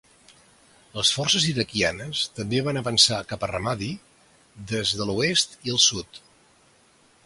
Les forces iraquianes també van avançar cap a Ramadi des de l’oest i el sud.